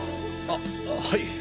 あっはい。